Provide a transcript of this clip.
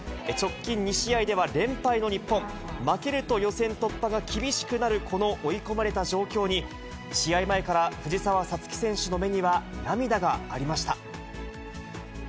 直近２試合では連敗の日本、負けると予選突破が厳しくなる、この追い込まれた状況に、試合前から藤澤五月選手の目には涙がありました。